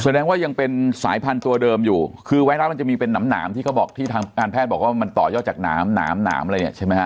แสดงว่ายังเป็นสายพันธุ์ตัวเดิมอยู่คือไวรัสมันจะมีเป็นหนามที่เขาบอกที่ทางการแพทย์บอกว่ามันต่อยอดจากหนามหนามหนามอะไรเนี่ยใช่ไหมฮะ